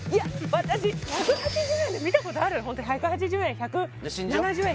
私１８０円で見たことあるホント１８０円１７０円